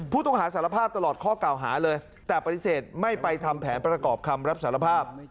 ผู้ต้องหาสารภาพตลอดข้อกล่าวหาเลยแต่ปฏิเสธไม่ไปทำแผนประกอบคำรับสารภาพ